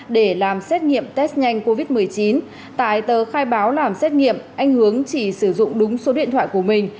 để làm xét nghiệm test nhanh covid một mươi chín tại tờ khai báo làm xét nghiệm anh hướng chỉ sử dụng đúng số điện thoại của mình